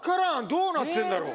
どうなってんだろう？